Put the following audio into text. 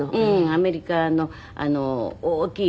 アメリカの大きい船。